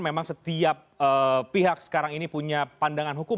memang setiap pihak sekarang ini punya pandangan hukum